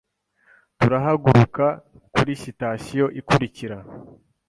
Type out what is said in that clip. Turahaguruka kuri sitasiyo ikurikira.